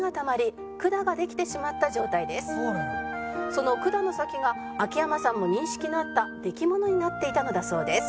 「その管の先が秋山さんも認識のあったデキモノになっていたのだそうです」